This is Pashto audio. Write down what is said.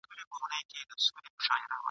حیوانان او انسانان به مري له تندي ..